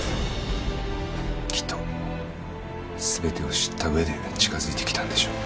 きっと全てを知った上で近づいてきたんでしょう。